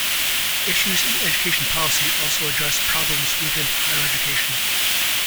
Issues in education policy also address problems within higher education.